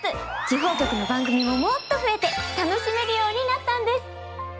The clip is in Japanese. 地方局の番組ももっと増えて楽しめるようになったんです。